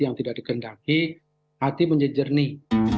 yang tidak dikendaki hati menjadi jernih